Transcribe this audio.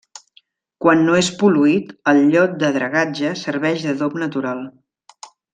Quan no és pol·luït, el llot de dragatge serveix d'adob natural.